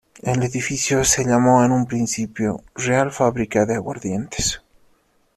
El edificio se llamó en un principio "Real Fábrica de Aguardientes".